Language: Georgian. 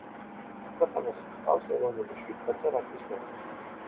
ქვეყანას ჰყავს ეროვნული შვიდკაცა რაგბის ნაკრები.